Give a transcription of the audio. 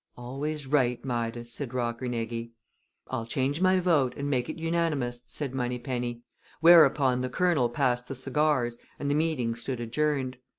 "Always right, Midas," said Rockernegie. "I'll change my vote and make it unanimous," said Moneypenny, whereupon the Colonel passed the cigars and the meeting stood adjourned.